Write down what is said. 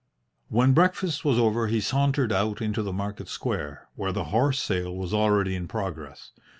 When breakfast was over he sauntered out into the market square, where the horse sale was already in progress.